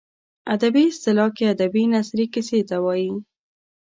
ادبي اصطلاح کې ادبي نثري کیسې ته وايي.